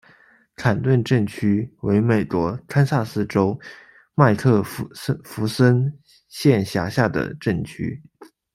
坎顿镇区为美国堪萨斯州麦克弗森县辖下的镇区。